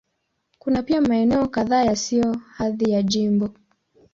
Kuna pia maeneo kadhaa yasiyo na hadhi ya jimbo.